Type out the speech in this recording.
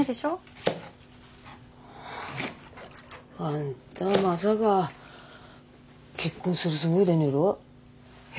はああんたまさか結婚するつもりでねえろ？え？